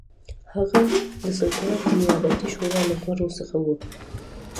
هغه د سلطنت د نیابتي شورا له غړو څخه و.